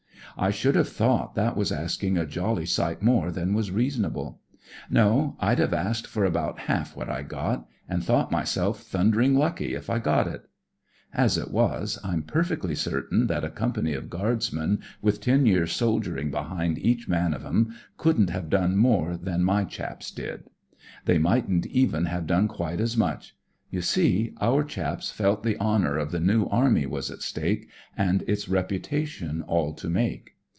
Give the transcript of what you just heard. I should have thought that was asking a jolly sight more than was reasonable. No, I'd have asked for about half what I got, and thought myself thundering lucky if I got it. As it was, I'm perfectly cer tain that a company of Guardsmen, with ten years' soldiering behind each man of 'em, couldn't have done more than my chaps did. They mightn't even have done quite so much. You see, our chaps felt the honour of the New Army was at stake, and its reputation all to make.